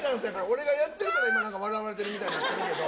俺がやってるから今何か笑われてるみたいになってるけど。